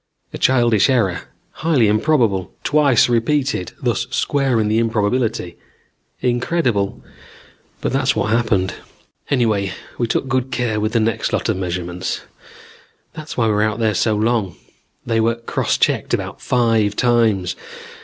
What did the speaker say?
A childish error, highly improbable; twice repeated, thus squaring the improbability. Incredible, but that's what happened. "Anyway, we took good care with the next lot of measurements. That's why we were out there so long. They were cross checked about five times.